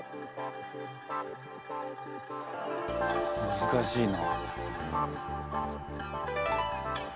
難しいな。